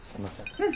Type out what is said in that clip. うん。